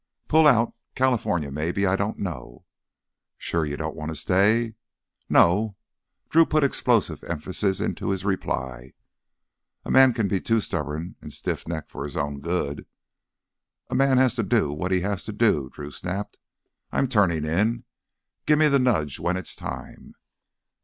"Pull out—California maybe. I don't know." "Sure you don't want to stay?" "No!" Drew put explosive emphasis into his reply. "A man can be too stubborn an' stiff necked for his own good—" "A man has to do what he has to," Drew snapped. "I'm turnin' in. Give me th' nudge when it's time."